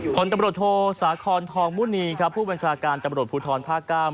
ผลตำรวจโทสาคอนทองมุณีครับผู้บัญชาการตำรวจภูทรภาค๙